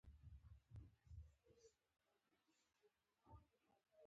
عبدالرحمن لودین د مرکه د پښتو دویم مشر و.